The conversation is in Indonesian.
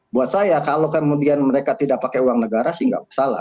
buat saya kalau kemudian mereka tidak pakai uang negara sih nggak masalah